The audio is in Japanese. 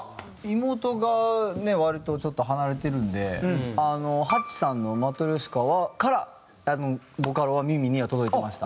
妹がね割とちょっと離れてるんでハチさんの『マトリョシカ』からボカロは耳には届いてました。